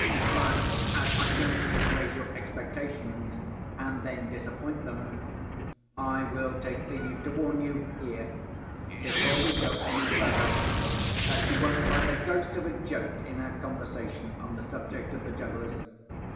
But as I don't wish to raise your expectations and then disappoint them, I will take leave to warn you here—before we go any further—that you won't find the ghost of a joke in our conversation on the subject of the jugglers.